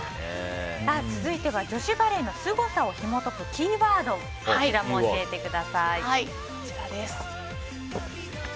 続いては女子バレーのすごさをひも解くキーワードも教えてください。